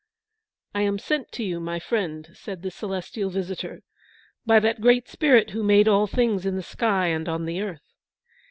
"I am sent to you, my friend," said the celestial visitor, "by that Great Spirit who made all things in the sky and on the earth.